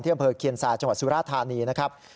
อำเภอเคียนซาจังหวัดสุราธานีนะครับ